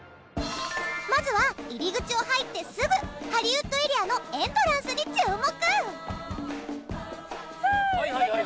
まずは入り口を入ってすぐハリウッド・エリアのエントランスに注目！